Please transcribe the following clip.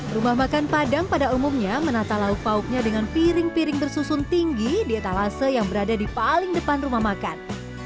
rumah makan padang pada umumnya menata lauk pauknya dengan piring piring bersusun tinggi di etalase yang berada di paling depan rumah makan